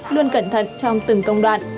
luôn cẩn thận trong từng công đoạn